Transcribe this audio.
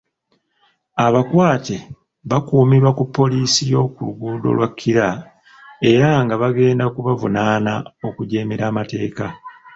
Abakwate bakuumirwa ku Poliisi y'oku luguudo lwa Kira, era nga bagenda kubavunaana okujeemera amateeka.